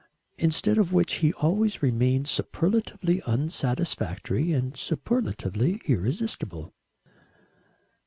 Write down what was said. Instead of which he always remained superlatively unsatisfactory and superlatively irresistible.